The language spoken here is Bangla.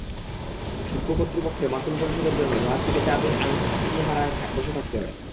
শুল্ক কর্তৃপক্ষের মাশুল পরিশোধের জন্য জাহাজটিকে চার দিন আংটিহারায় বসে থাকতে হয়।